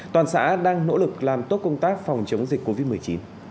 toàn xã đang nỗ lực làm tốt công tác phòng chống dịch covid một mươi chín